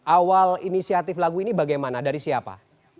awal inisiatif lagu ini bagaimana dari siapa